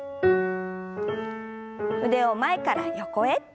腕を前から横へ。